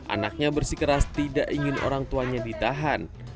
anaknya bersikeras tidak ingin orang tuanya ditahan